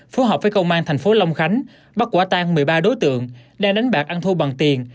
phối hợp với công an thành phố long khánh bắt quả tan một mươi ba đối tượng đang đánh bạc ăn thu bằng tiền